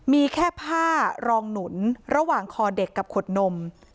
มีแค่ผ้ารองหนุนระหว่างคอเด็กกับขวดนม